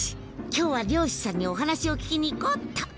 今日は漁師さんにお話を聞きにいこうっと。